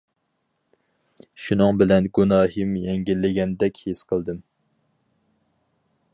شۇنىڭ بىلەن گۇناھىم يەڭگىللىگەندەك ھېس قىلدىم.